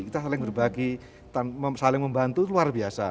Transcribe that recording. kita saling berbagi saling membantu itu luar biasa